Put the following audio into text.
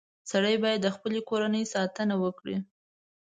• سړی باید د خپلې کورنۍ ساتنه وکړي.